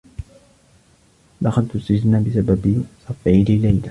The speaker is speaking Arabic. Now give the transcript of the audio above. دخلت السّجن بسبب صفعي لليلى.